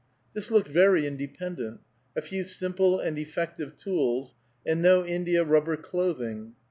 This looked very independent; a few simple and effective tools, and no india rubber clothing.